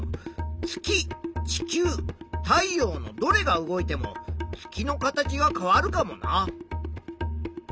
月地球太陽のどれが動いても月の形は変わるかもな。